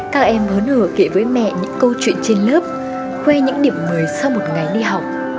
các em hớn hở kể với mẹ những câu chuyện trên lớp khoe những điểm mới sau một ngày đi học